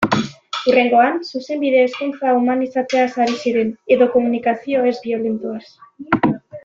Hurrengoan, Zuzenbide-hezkuntza humanizatzeaz ari ziren, edo komunikazio ez-biolentoaz...